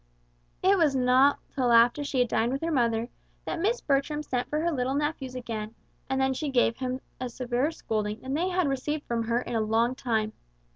It was not till after she had dined with her mother, that Miss Bertram sent for her little nephews again, and then she gave them a severer scolding than they had received from her for a long time.